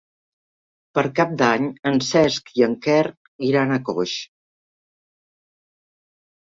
Per Cap d'Any en Cesc i en Quer iran a Coix.